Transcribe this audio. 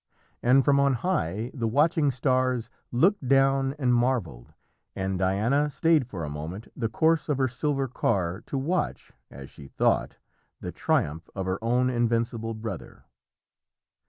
And from on high the watching stars looked down and marvelled, and Diana stayed for a moment the course of her silver car to watch, as she thought, the triumph of her own invincible brother.